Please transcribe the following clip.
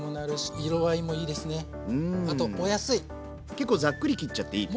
結構ざっくり切っちゃっていい感じ？